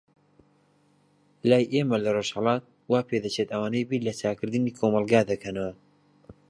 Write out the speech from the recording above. لای ئێمە لە ڕۆژهەلات، وا پێدەچێت ئەوانەی بیر لە چاکردنی کۆمەلگا دەکەنەوە.